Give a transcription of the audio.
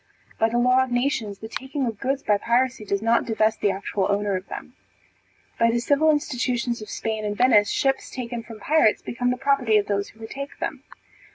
By the law of nations, the taking of goods by piracy does not divest the actual owner of them. By the civil institutions of Spain and Venice, ships taken from pirates became the property of those who retake them.